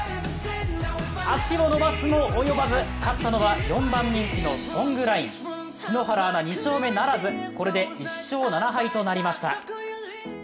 脚を伸ばすも及ばず勝ったのは４番人気のソングライン篠原アナ、２勝目ならず、これで１勝７敗となりました。